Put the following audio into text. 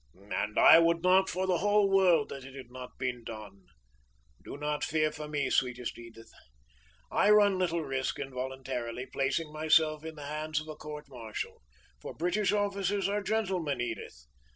"And I would not for the whole world that it had not been done! Do not fear for me, sweetest Edith! I run little risk in voluntarily placing myself in the hands of a court martial for British officers are gentlemen, Edith!